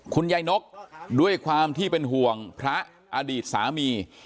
คุณยายนกด้วยความที่เป็นห่วงพระอดีตสามี